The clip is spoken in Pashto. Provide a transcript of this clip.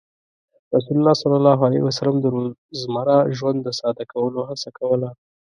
رسول الله صلى الله عليه وسلم د روزمره ژوند د ساده کولو هڅه کوله.